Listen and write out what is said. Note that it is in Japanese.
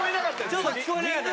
ちょっと聞こえなかった。